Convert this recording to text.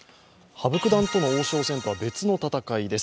羽生九段との王将戦とは別の戦いです。